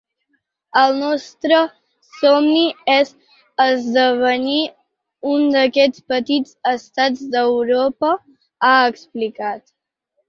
El nostre somni és esdevenir un d’aquests petits estats d’Europa, ha explicat.